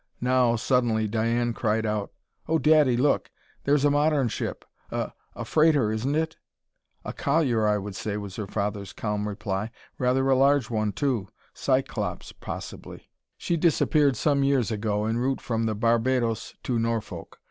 Now, suddenly, Diane cried out: "Oh, daddy, look! There's a modern ship! A a freighter, isn't it?" "A collier, I would say," was her father's calm reply. "Rather a large one, too. Cyclops, possibly. She disappeared some years ago, en route from the Barbados to Norfolk.